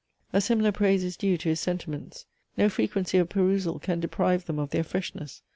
A similar praise is due to his sentiments. No frequency of perusal can deprive them of their freshness.